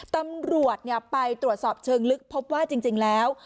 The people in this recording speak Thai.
ตำรวจไปตรวจสอบเชิงลึกพบว่าจริงแล้ว